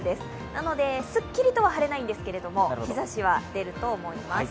なので、すっきりとは晴れないんですけれども、日ざしは出ると思います。